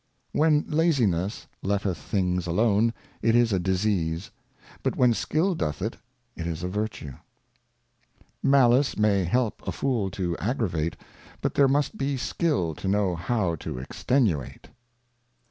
When Laziness letteth things alone, it is a Disease; but when Skill doth it, it is a Vertue. Malice may help a Fool to aggravate, but there must be Skill to know how to extenuate.